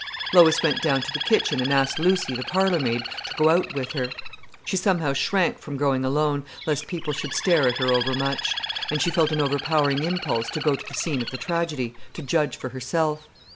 Lois went down to the kitchen and asked Lucy, the parlour maid, to go out with her. She somehow shrank from going alone, lest people should stare at her overmuch: and she felt an overpowering impulse to go to the scene of the tragedy, to judge for herself.